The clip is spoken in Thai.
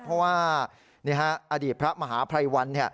เพราะว่านี่ฮะอดีตพระมหาพรายวรรณ